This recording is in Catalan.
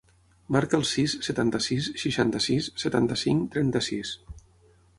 Marca el sis, setanta-sis, seixanta-sis, setanta-cinc, trenta-sis.